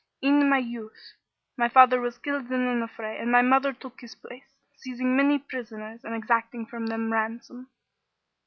In my youth my father was killed in an affray and my mother took his place, seizing many prisoners and exacting from them ransom.